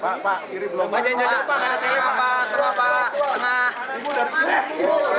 pak munduran pak